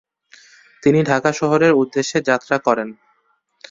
তিনি ঢাকা শহরের উদ্দেশ্যে যাত্রা করেন।